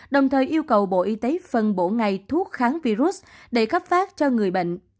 đồng thời yêu cầu bộ y tế phân bổ ngày thuốc kháng virus để cấp phát cho người bệnh